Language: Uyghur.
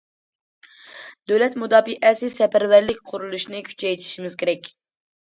دۆلەت مۇداپىئەسى سەپەرۋەرلىك قۇرۇلۇشىنى كۈچەيتىشىمىز كېرەك.